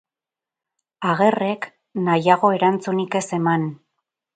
Agerrek nahiago erantzunik ez eman.